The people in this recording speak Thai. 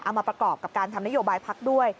มาประกอบกับการทำนโยบายพักด้วย